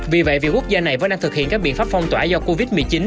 vì vậy việc quốc gia này vẫn đang thực hiện các biện pháp phong tỏa do covid một mươi chín